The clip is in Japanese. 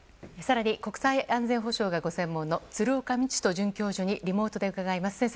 更に、国際安全保障がご専門の鶴岡路人准教授にリモートで伺います。